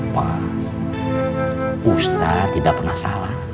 pak ustadz tidak pernah salah